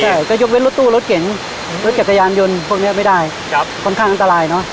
ใช่ก็ยกเว้นรถตู้รถเก่งรถจักรยานยนต์พวกนี้ไม่ได้ครับค่อนข้างอันตรายเนอะ